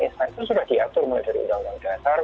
itu sudah diatur mulai dari undang undang dasar